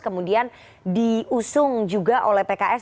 kemudian diusung juga oleh pks